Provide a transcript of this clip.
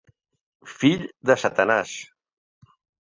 Fill de Satanàs.